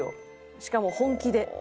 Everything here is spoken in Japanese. しかも本気で。